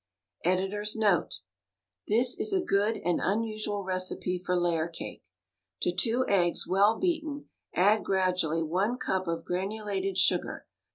Editor's Note:— This is a good, and unusual, recipe for layer cake. To two eggs, well beaten, add gradually one cup of granulated sugar.